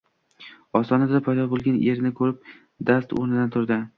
Ostonada paydo bo`lgan erini ko`rib dast o`rnidan turdi